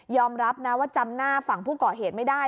รับนะว่าจำหน้าฝั่งผู้ก่อเหตุไม่ได้